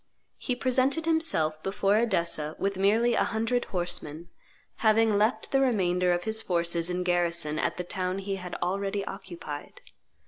He presented himself before Edessa with merely a hundred horsemen, having left the remainder of his forces in garrison at the town he had already occupied.